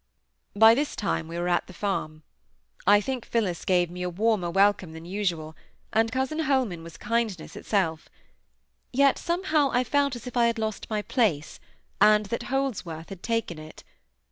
By this time we were at the farm. I think Phillis gave me a warmer welcome than usual, and cousin Holman was kindness itself. Yet somehow I felt as if I had lost my place, and that Holdsworth had taken it.